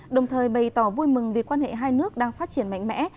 đồng thời bày tỏ vui mừng vì quan hệ hai nước đang phát triển mạnh mẽ